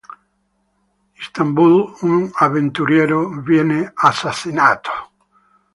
Istanbul, un avventuriero viene assassinato.